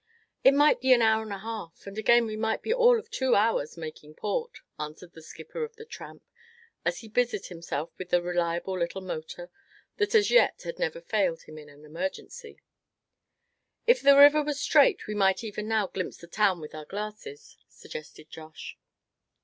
"It might be an hour and a half, and again we may be all of two hours making port," answered the skipper of the Tramp, as he busied himself with the reliable little motor that as yet had never failed him in an emergency. "If the river was straight we might even now glimpse the town with our glasses," suggested Josh.